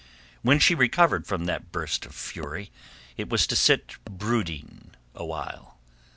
When she recovered from that burst of fury it was to sit brooding awhile.